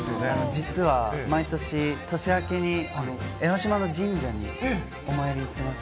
実は毎年、年明けに江の島の神社にお参り行ってます。